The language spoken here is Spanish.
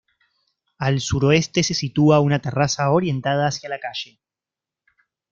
Al suroeste se sitúa una terraza orientada hacia la calle.